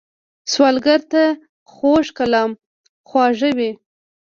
سوالګر ته خوږ کلام خواږه وي